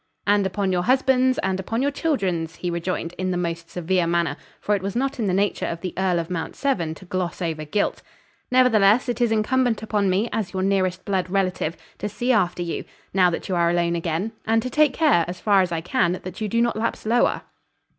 "And upon your husband's and upon your children's," he rejoined, in the most severe manner, for it was not in the nature of the Earl of Mount Severn to gloss over guilt. "Nevertheless it is incumbent upon me, as your nearest blood relative, to see after you, now that you are alone again, and to take care, as far as I can, that you do not lapse lower."